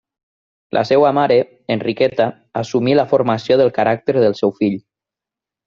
La seva mare, Enriqueta, assumí la formació del caràcter del seu fill.